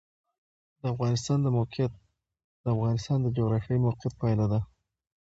د افغانستان د موقعیت د افغانستان د جغرافیایي موقیعت پایله ده.